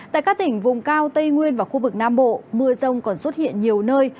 tại các tỉnh vùng cao tây nguyên và khu vực nam bộ mưa rông còn xuất hiện nhiều nơi